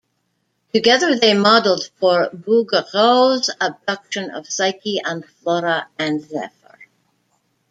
Together, they modeled for Bouguereau's "Abduction of Psyche" and "Flora and Zephyr".